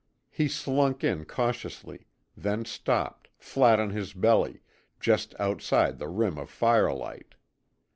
He slunk in cautiously then stopped, flat on his belly, just outside the rim of firelight.